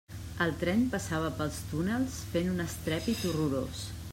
El tren passava pels túnels fent un estrèpit horrorós.